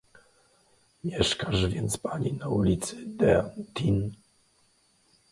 Mieszkasz więc pani na ulicy d’Antin?